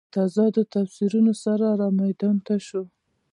متضادو تفسیرونو سره رامیدان ته شو.